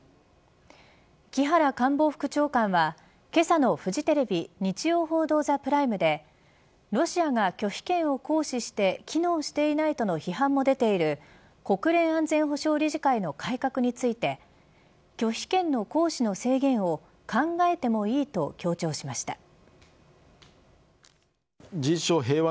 木原官房副長官はけさのフジテレビ日曜報道ＴＨＥＰＲＩＭＥでロシアが拒否権を行使して機能していないとの批判も出ている国連安全保障理事会の改革について拒否権の行使の制限を考えてもいいと強調しました。